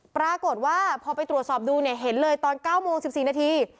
ปรากฏว่าพอไปตรวจสอบดูเนี่ยเห็นเลยตอน๙โมง๑๔นาที